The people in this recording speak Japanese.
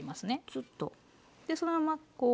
ツッと。でそのままこう